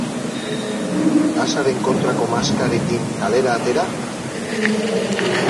Gasaren kontrako maskarekin kalera atera?